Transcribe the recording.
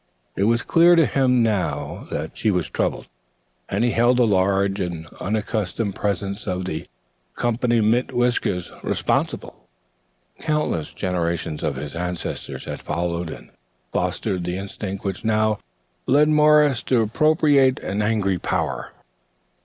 It was clear to him now that she was troubled, and he held the large and unaccustomed presence of the "comp'ny mit whiskers" responsible. Countless generations of ancestors had followed and fostered the instinct which now led Morris to propitiate an angry power.